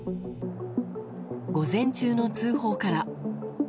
午前中の通報から。